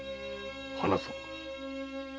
話そう。